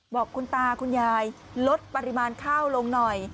บอกคุณตาคุณยายลดปริมาณข้าวลงหน่อย